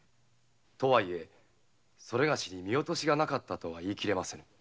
とは言えそれがしに見落としがなかったとは言いきれませぬ。